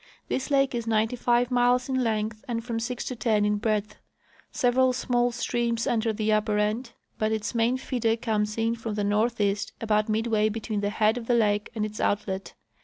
This lake is ninety five miles in length and from six to ten in breadth. Several small streams enter the upper end, but its main feeder comes in from the northeast about midway between the head of the lake and its outlet.